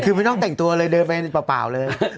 คือไม่ต้องแต่งตัวเลยเดินไปเปล่าเลย